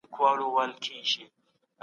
طبيعي علوم د مادې او انرژۍ په اړه ږغېږي.